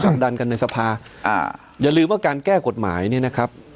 ดันกันในสภาอ่าอย่าลืมว่าการแก้กฎหมายเนี่ยนะครับ